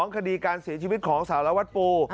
คดีการเสียชีวิตของสารวัตรปู